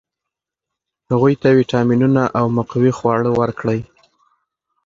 هغوی ته ویټامینونه او مقوي خواړه ورکړئ.